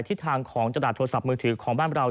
ทิศทางของกระดาษโทรศัพท์มือถือของบ้านเรา